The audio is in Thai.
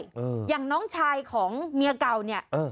อืมอย่างน้องชายของเมียเก่าเนี้ยเออ